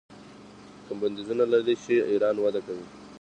که بندیزونه لرې شي ایران وده کوي.